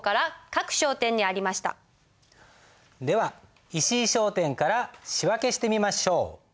では石井商店から仕訳してみましょう。